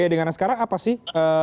dengan sekarang apa sih